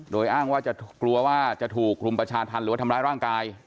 โดยอ้างว่าจะกลัวว่าจะถูกรุมประชาธรรมหรือว่าทำร้ายร่างกาย